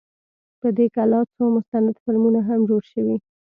په دې کلا څو مستند فلمونه هم جوړ شوي.